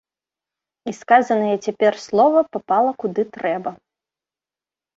І сказанае цяпер слова папала куды трэба.